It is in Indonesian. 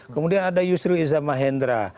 kemudian ada yusril iza mahendra